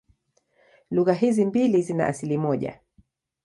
Lugha hizi mbili zina asili moja.